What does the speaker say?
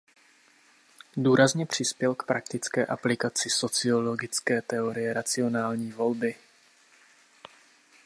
Důrazně přispěl k praktické aplikaci sociologické Teorie racionální volby.